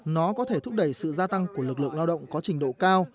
nó có thể thúc đẩy sự gia tăng của lực lượng lao động có trình độ cao